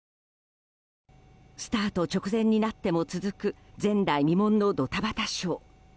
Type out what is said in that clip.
スタート直前になっても続く前代未聞のドタバタショー。